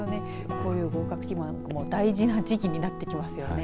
こういう合格祈願も大事な時期になってきますよね。